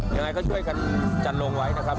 ยังไงก็ช่วยกันจันลงไว้นะครับ